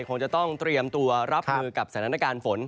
คงจะต้องเตรียมตัวรับมือกับสถานการณ์ฝน